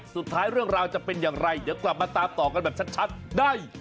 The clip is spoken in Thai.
เรื่องราวจะเป็นอย่างไรเดี๋ยวกลับมาตามต่อกันแบบชัดได้